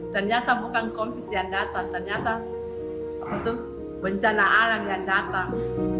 ternyata bukan covid yang datang ternyata untuk bencana alam yang datang